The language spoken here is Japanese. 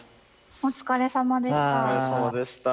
お疲れさまでした。